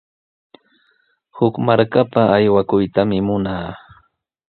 Huk markapa aywakuytami munaa.